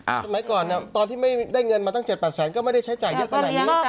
อ่าไหมก่อนเนี้ยตอนที่ไม่ได้เงินมาตั้งเจ็ดเปอร์แสนก็ไม่ได้ใช้จ่ายเยอะเท่านั้น